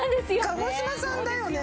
鹿児島産だよね？